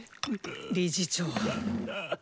理事長。